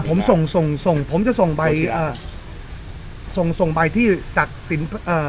ผมส่งส่งส่งผมจะส่งใบอ่าส่งส่งส่งใบที่จากสินเอ่อ